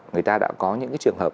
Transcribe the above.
người ta đã có những cái trường hợp